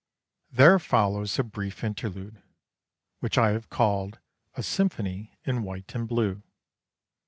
There follows a brief interlude, which I have called a "Symphony in White and Blue."